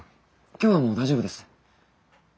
今日はもう大丈夫です。